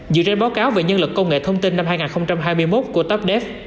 dựa trên báo cáo về nhân lực công nghệ thông tin năm hai nghìn hai mươi một của topdaf